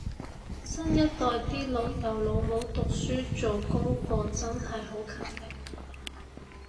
新一代啲老豆老母讀書做功課真係好勤力